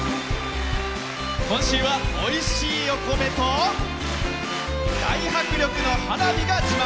今週は、おいしいお米と大迫力の花火が自慢。